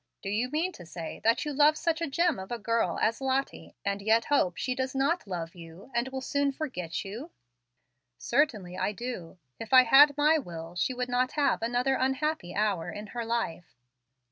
Do you mean to say that you love such a gem of a girl as Lottie, and yet hope she does not love you, and will soon forget you?" "Certainly I do. If I had my will, she would not have another unhappy hour in her life."